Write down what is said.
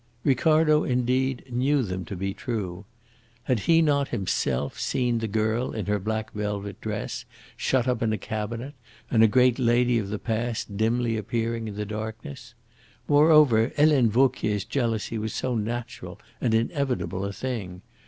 Ricardo, indeed, knew them to be true. Had he not himself seen the girl in her black velvet dress shut up in a cabinet, and a great lady of the past dimly appear in the darkness? Moreover, Helene Vauquier's jealousy was so natural and inevitable a thing.